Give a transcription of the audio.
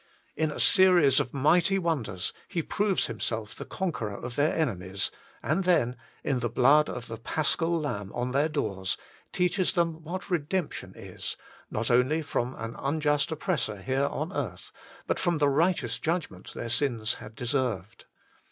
In a series of mighty wonders He proves Himself the Conqueror of their enemies, and then, in the blood of the Paschal Lamb on their doorSj teaches them what redemption is, not only from an unjust oppressor here on earth, but from the righteous judgment their sins had deserved.